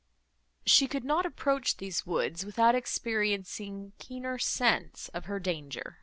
She could not approach these woods, without experiencing keener sense of her danger.